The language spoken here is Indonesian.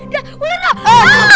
segini juga bisa